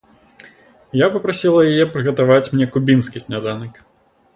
Я папрасіла яе прыгатаваць мне кубінскі сняданак.